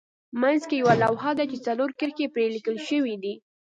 منځ کې یوه لوحه ده چې څلور کرښې پرې لیکل شوې دي.